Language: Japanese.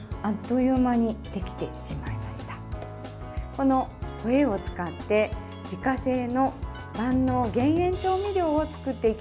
このホエーを使って自家製の万能減塩調味料を作っていきましょう。